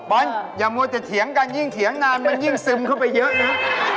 อย่ามัวแต่เถียงกันยิ่งเถียงนานมันยิ่งซึมเข้าไปเยอะนะ